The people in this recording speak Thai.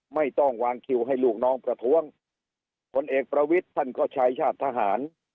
ไม่ต้องวางคิวให้ลูกน้องประท้วงผลเอกประวิทย์ท่านก็ใช้ชาติทหาร